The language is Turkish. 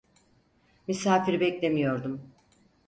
Misafir beklemiyordum.